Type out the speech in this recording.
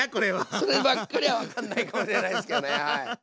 そればっかりは分かんないかもしれないですけどね。